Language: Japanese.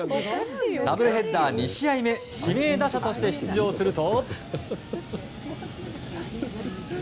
ダブルヘッダー２試合目指名打者として出場すると。